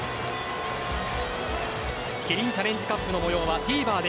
キリンチャレンジカップの模様はＴＶｅｒで